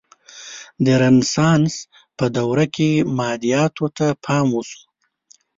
د رنسانس په دوره کې مادیاتو ته پام وشو.